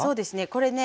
これね